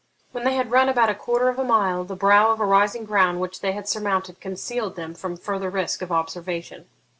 When they had run about a quarter of a mile, the brow of a rising ground which they had surmounted concealed them from further risk of observation.